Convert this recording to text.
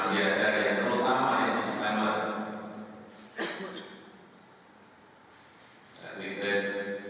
saya tidak akan mencari teman teman yang tidak menggunakan wtp ini